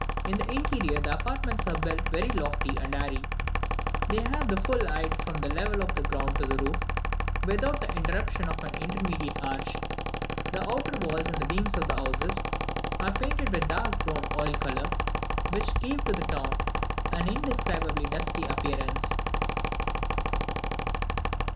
In the interior, the apartments are built very lofty and airy: they have the full height from the level of the ground to the roof, without the interruption of an intermediate arch. The outer walls and beams of the houses are painted with a dark brown oil colour, which gave to the town an indescribably dusky appearance.